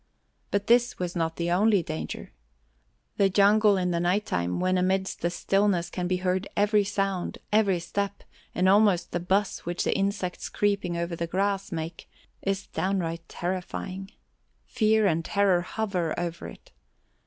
But this was not the only danger. The jungle in the night time, when, amidst the stillness can be heard every sound, every step, and almost the buzz which the insects creeping over the grass make, is downright terrifying. Fear and terror hover over it.